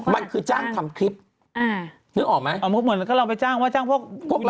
มันคือจ้างทำคลิปอ่านึกออกไหมเหมือนก็เราไปจ้างว่าจ้างพวกเรา